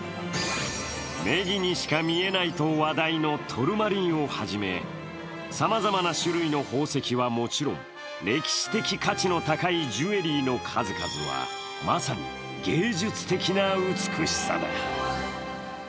ねぎにしか見えないと話題のトルマリンをはじめさまざまな種類の宝石はもちろん、歴史的価値の高いジュエリーの数々はまさに芸術的な美しさだ。